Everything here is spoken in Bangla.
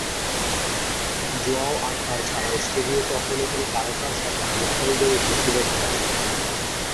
জোয়াও আর্থার ছাড়া স্টুডিওটি কখনো কোন তারকার সাথে আনুষ্ঠানিকভাবে চুক্তিবদ্ধ হয়নি।